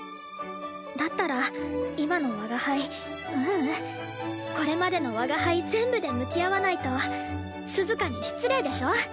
だったら今の我が輩ううんこれまでの我が輩全部で向き合わないとスズカに失礼でしょ？